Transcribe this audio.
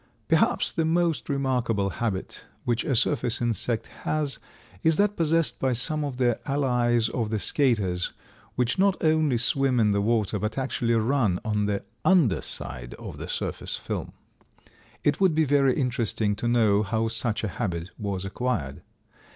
Perhaps the most remarkable habit which a surface insect has is that possessed by some of the allies of the Skaters, which not only swim in the water, but actually run on the under side of the surface film. It would be very interesting to know how such a habit was acquired.